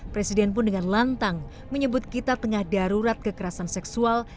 presiden pun dengan lantang menyebut kita tengah darurat kekerasan seksual